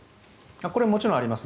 これはもちろんあります。